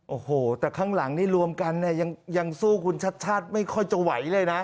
โอ้โหแต่ข้างหลังนี่รวมกันเนี่ยยังสู้คุณชัดชาติไม่ค่อยจะไหวเลยนะ